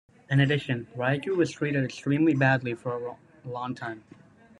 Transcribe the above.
In addition, Raiku was treated extremely badly for a long time.